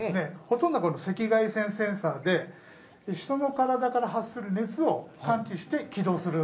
ほとんどが赤外線センサーで人の体から発する熱を感知して起動する。